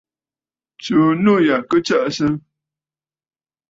Tsùu nû ya kɨ tsəʼəsə!